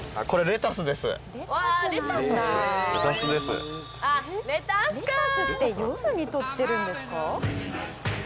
レタスって夜に採ってるんですか？